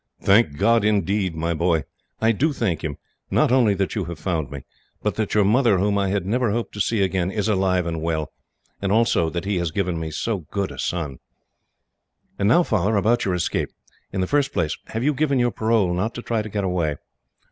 "Thank God, indeed, my boy. I do thank Him, not only that you have found me, but that your mother, whom I had never hoped to see again, is alive and well; and also, that He has given me so good a son." "And now, Father, about your escape. In the first place, have you given your parole not to try to get away?"